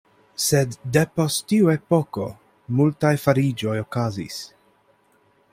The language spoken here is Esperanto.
Sed depost tiu epoko multaj fariĝoj okazis.